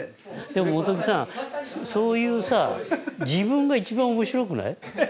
でも本木さんそういうさ自分が一番面白くない？